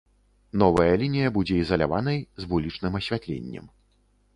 Новая лінія будзе ізаляванай, з вулічным асвятленнем.